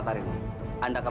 terima kasih pak